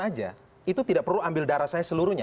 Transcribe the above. aja itu tidak perlu ambil darah saya seluruhnya